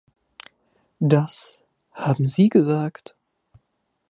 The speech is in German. Das haben Sie gesagt.